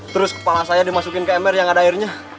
terus kepala saya dimasukin ke ember yang ada airnya